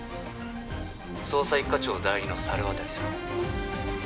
捜査一課長代理の猿渡さん